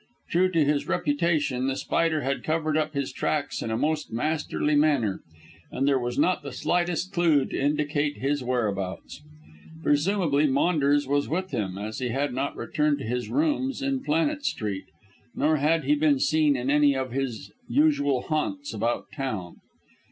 True to his reputation, The Spider had covered up his tracks in a most masterly manner, and there was not the slightest clue to indicate his whereabouts. Presumably Maunders was with him, as he had not returned to his rooms in Planet Street, nor had he been seen in any of his usual haunts about town.